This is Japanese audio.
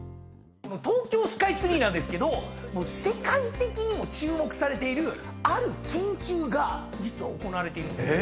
東京スカイツリーなんですけど世界的にも注目されているある研究が実は行われているんです。